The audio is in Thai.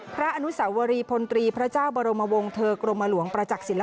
อนุสาวรีพลตรีพระเจ้าบรมวงเธอกรมหลวงประจักษ์ศิลป